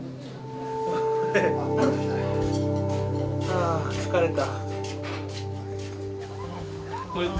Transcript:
あ疲れた。